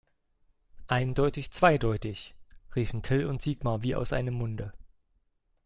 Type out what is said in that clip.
Eindeutig zweideutig, riefen Till und Sigmar wie aus einem Munde.